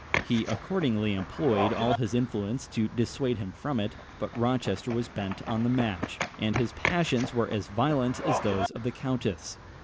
He accordingly employed all his influence to dissuade him from it; but Rochester was bent on the match, and his passions were as violent as those of the countess.